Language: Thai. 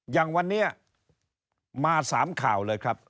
อย่างวันนี้มา๓ข่าวเลยครับ